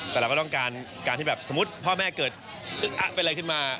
แต่เราก็ต้องการการที่แบบสมมุติพ่อแม่เกิดอึ๊กอะเป็นอะไรขึ้นมา